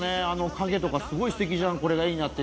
あの影とかすごいすてきじゃん！